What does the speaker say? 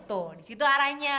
tuh disitu arahnya